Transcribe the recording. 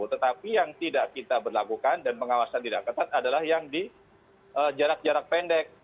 tetapi yang tidak kita berlakukan dan pengawasan tidak ketat adalah yang di jarak jarak pendek